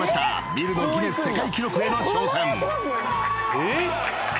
ビルのギネス世界記録への挑戦］